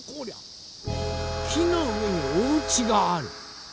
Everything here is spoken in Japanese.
きのうえにおうちがある。